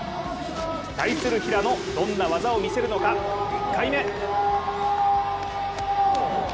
対する平野どんな技を見せるのか、１回目。